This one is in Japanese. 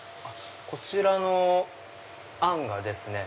こちらのあんがですね